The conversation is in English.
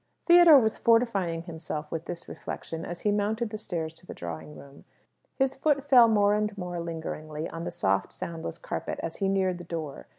Theodore was fortifying himself with this reflection as he mounted the stairs to the drawing room. His foot fell more and more lingeringly on the soft, soundless carpet as he neared the door.